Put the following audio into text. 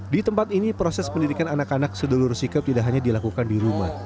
di tempat ini proses pendidikan anak anak sedulur sedulur sikap tidak hanya dilakukan di rumah